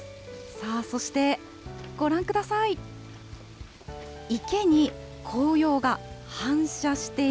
さあ、そして、ご覧ください。